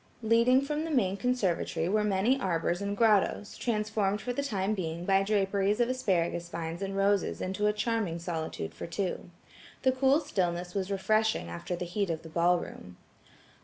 Leading from the main conservatory were many arbors and grottoes, transformed for the time being by draperies of asparagus vines and roses into a charming solitude for two. The cool stillness was refreshing after the head of the ball room.